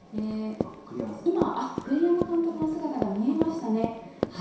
今、栗山監督の姿が見えましたね。